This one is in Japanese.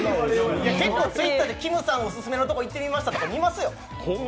結構Ｔｗｉｔｔｅｒできむさんオススメのところ行ってみましたとか来ますよ。